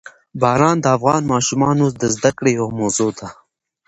باران د افغان ماشومانو د زده کړې یوه موضوع ده.